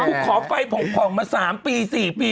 ทุกคนฝ่ายไฟผมผ่องมา๓๔ปี